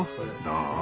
どう？